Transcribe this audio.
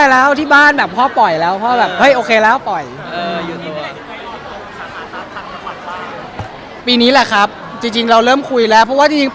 เร่งของสาขานี่เป็นการก้าวขโดดม